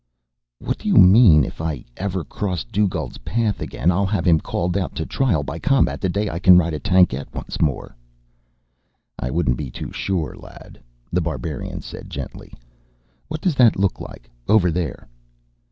"What do you mean, if I ever cross Dugald's path again? I'll have him called out to trial by combat the day I can ride a tankette once more." "I wouldn't be too sure, lad," The Barbarian said gently. "What does that look like, over there?"